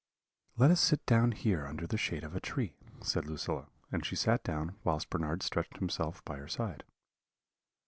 "'Let us sit down here under the shade of a tree,' said Lucilla; and she sat down, whilst Bernard stretched himself by her side.